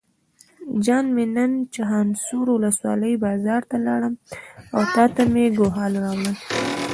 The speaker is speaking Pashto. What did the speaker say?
جان مې نن چخانسور ولسوالۍ بازار ته لاړم او تاته مې ګوښال راوړل.